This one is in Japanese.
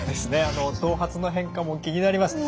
頭髪の変化も気になります。